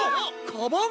カバン？